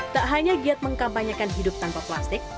tak hanya giat mengkampanyekan hidup tanpa plastik